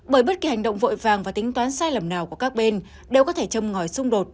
bởi bất kỳ hành động vội vàng và tính toán sai lầm nào của các bên đều có thể châm ngòi xung đột